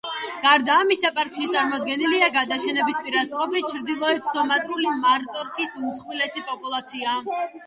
გარდა ამისა, პარკში წარმოდგენილია გადაშენების პირას მყოფი ჩრდილოეთ სუმატრული მარტორქის უმსხვილესი პოპულაცია.